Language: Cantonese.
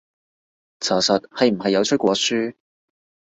查實係唔係有出過書？